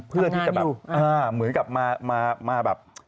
เพื่อที่จะแบบเหมือนกับมาแบบ